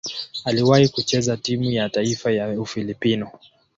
Aliwahi kucheza timu ya taifa ya Ufilipino.